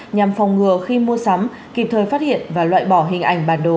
nhằm phòng ngừa khi mua sắm kịp thời phát hiện và loại bỏ hình ảnh bản đồ